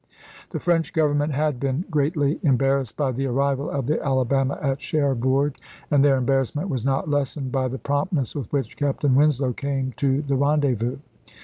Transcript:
The French Grovernment had been greatly em barrassed by the arrival of the Alabama at Cher bourg, and their embarrassment was not lessened by the promptness with which Captain Winslow came to the rendezvous.